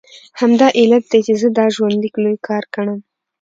همدا علت دی چې زه دا ژوندلیک لوی کار ګڼم.